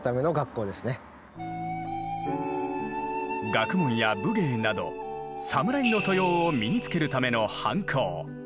学問や武芸など侍の素養を身につけるための藩校弘道館が現存。